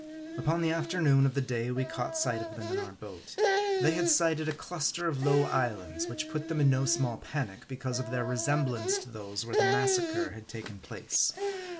Upon the afternoon of the day we caught sight of them in our boat, they had sighted a cluster of low islands, which put them in no small panic, because of their resem blance to those where the massacre had taken place.